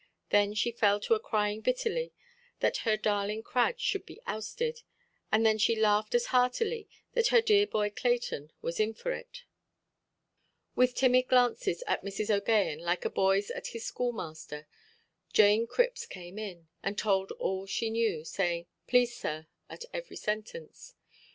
Then she fell to a–crying bitterly that her darling Crad should be ousted, and then she laughed as heartily that her dear boy Clayton was in for it. With timid glances at Mrs. OʼGaghan, like a boyʼs at his schoolmaster, Jane Cripps came in, and told all she knew, saying "please sir", at every sentence.